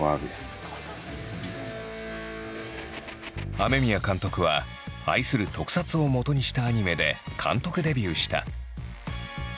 雨宮監督は愛する特撮をもとにしたアニメで監督デビューした。